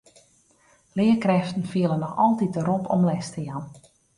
Learkrêften fiele noch altyd de rop om les te jaan.